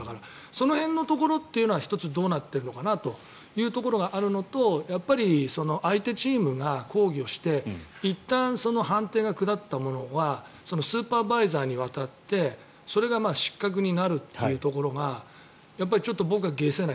その辺のところは１つ、どうなっているのかというところがあるとやっぱり相手チームが抗議をしていったん判定が下ったものはスーパーバイザーに渡って失格になるところがちょっと僕は解せない。